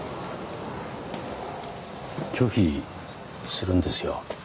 拒否するんですよ。